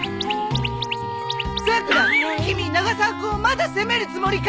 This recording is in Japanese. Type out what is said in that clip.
さくら君永沢君をまだ責めるつもりかい！？